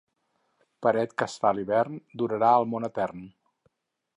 Paret que es fa a l'hivern durarà el món etern.